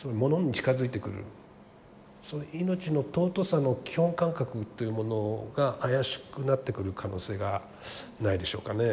命の尊さの基本感覚というものが怪しくなってくる可能性がないでしょうかね。